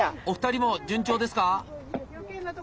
お二人も順調ですか？